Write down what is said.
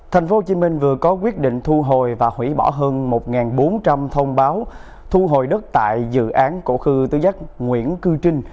tp hcm vừa có quyết định thu hồi và hủy bỏ hơn một bốn trăm linh thông báo thu hồi đất tại dự án cổ khư tứ giác nguyễn cư trinh